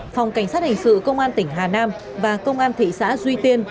phòng cảnh sát hình sự công an tỉnh hà nam và công an thị xã duy tiên